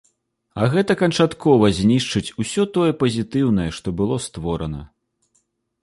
А гэта канчаткова знішчыць усё тое пазітыўнае, што было створана.